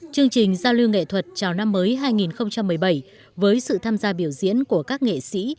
chương trình giao lưu nghệ thuật chào năm mới hai nghìn một mươi bảy với sự tham gia biểu diễn của các nghệ sĩ